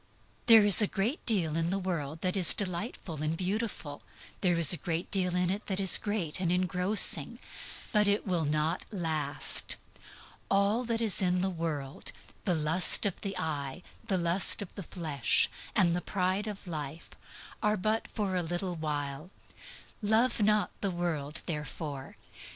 There is a great deal in the world that is delightful and beautiful; there is a great deal in it that is great and engrossing; but IT WILL NOT LAST. All that is in the world, the lust of the eye, the lust of the flesh, and the pride of life, are but for a little while. Love not the world therefore.